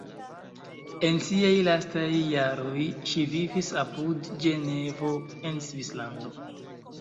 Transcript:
En siaj lastaj jaroj ŝi vivis apud Ĝenevo en Svislando.